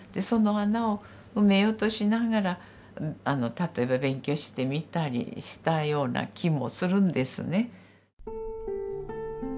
その穴を埋めようとしながら例えば勉強してみたりしたような気もするんですね。